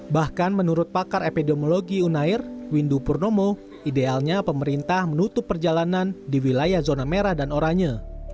bahkan menurut pakar epidemiologi unair windu purnomo idealnya pemerintah menutup perjalanan di wilayah zona merah dan oranye